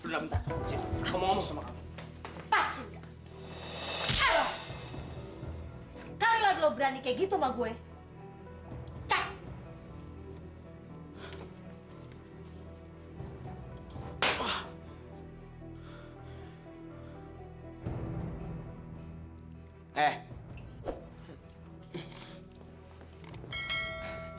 luna bentar sini